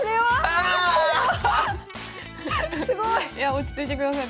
落ち着いてください